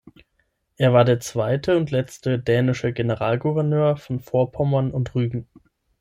Er war der zweite und letzte dänische Generalgouverneur von Vorpommern und Rügen.